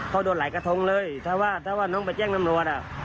เขาโดนหลายกระทงเลยถ้าว่าถ้าว่าน้องไปแจ้งตำรวจอ่ะ